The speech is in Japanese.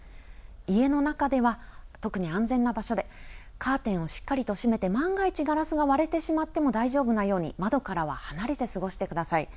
家の中では、特に安全な場所で、カーテンをしっかりと閉めて、万が一ガラスが割れてしまっても大丈夫なように、窓からは離れて過ごしてください。